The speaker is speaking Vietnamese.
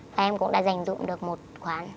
và em cũng đã giành dụng được một khoản